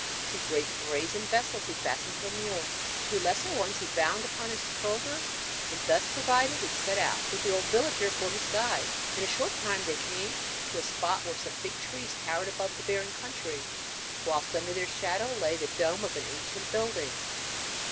Two great brazen vessels he fastened to a mule, two lesser ones he bound upon his shoulders, and thus provided he set out, with the old villager for his guide. In a short time they came to a spot where some big trees towered above the barren country, whilst under their shadow lay the dome of an ancient building.